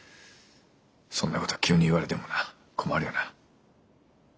そんなこと急に言われてもな困るよな。